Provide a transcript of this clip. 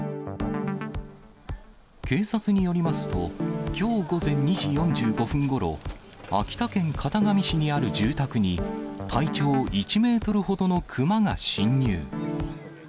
警察によりますと、きょう午前２時４５分ごろ、秋田県潟上市にある住宅に、体長１メートルほどの熊が侵入。